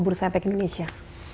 bursa efek indonesia